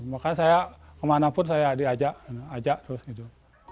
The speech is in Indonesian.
makanya saya kemanapun saya diajak ajak terus gitu